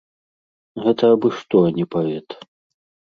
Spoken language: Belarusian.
Гэта абы што, а не паэт!